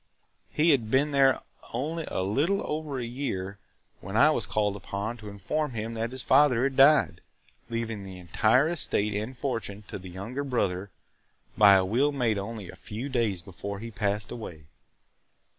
"He had been there only a little over a year when I was called upon to inform him that his father had died, leaving the entire estate and fortune to the younger brother by a will made only a few days before he passed away.